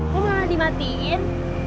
kok malah dimatiin